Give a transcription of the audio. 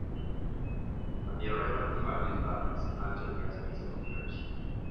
But the arrival of Fabius Valens altered the aspect of affairs.